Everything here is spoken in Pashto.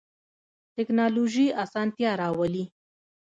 تکنالوژی اسانتیا راولی